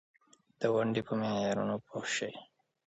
افغانستان د وادي لپاره مشهور دی.